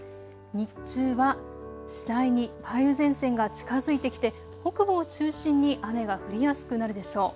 日中は次第に梅雨前線が近づいてきて北部を中心に雨が降りやすくなるでしょう。